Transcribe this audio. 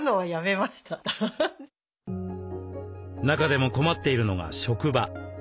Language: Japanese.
中でも困っているのが職場。